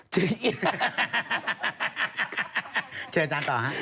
เชิญอาจารย์ต่อครับ